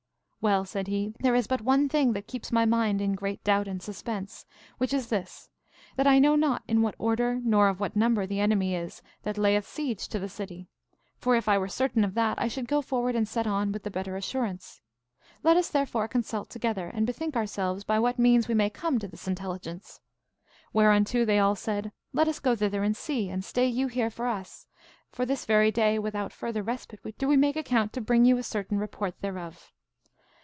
Well, said he, there is but one thing that keeps my mind in great doubt and suspense, which is this, that I know not in what order nor of what number the enemy is that layeth siege to the city; for, if I were certain of that, I should go forward and set on with the better assurance. Let us therefore consult together, and bethink ourselves by what means we may come to this intelligence. Whereunto they all said, Let us go thither and see, and stay you here for us; for this very day, without further respite, do we make account to bring you a certain report thereof.